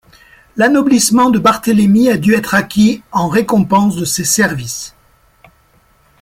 L'anoblissement de Barthélemy a dû être acquis en récompense de ses services.